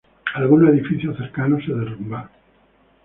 Algunos edificios cercanos se derrumbaron.